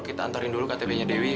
kita antarin dulu ktp nya dewi